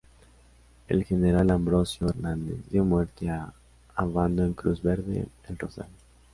El general Ambrosio Hernández dio muerte a Obando en Cruz Verde, El Rosal.